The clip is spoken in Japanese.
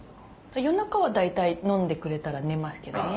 夜中は大体飲んでくれたら寝ますけどね。